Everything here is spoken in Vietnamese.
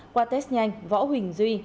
qua test nhanh võ huỳnh duy